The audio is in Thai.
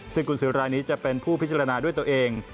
ซึ่งกุญสือรายนี้จะเป็นผู้พิจารณาด้วยตัวเอง